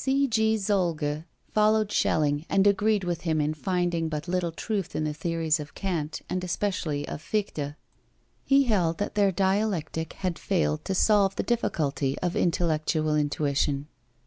C.G. Solger followed Schelling and agreed with him in finding but little truth in the theories of Kant, and especially of Fichte. He held that their dialectic had failed to solve the difficulty of intellectual intuition.